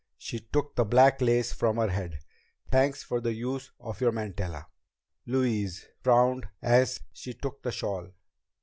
She took the black lace from her head. "Thanks for the use of your mantilla." Louise frowned as she took the shawl.